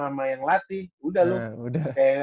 sama yang ngelatih udah loh